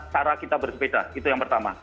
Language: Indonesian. cara kita bersepeda itu yang pertama